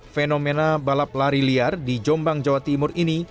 fenomena balap lari liar di jombang jawa timur ini